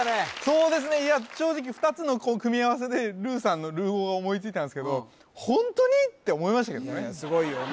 そうですねいや正直２つの組み合わせでルーさんのルー語が思いついたんですけどって思いましたけどね